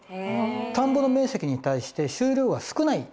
田んぼの面積に対して収量が少ない。